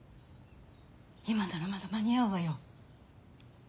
今ならまだ間に合うわよ。